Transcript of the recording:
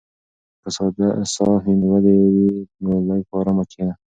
که ساه دې نیولې وي نو لږ په ارامه کښېنه.